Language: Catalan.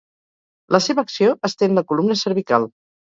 La seva acció estén la columna cervical.